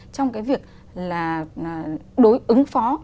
trong cái việc là đối ứng phó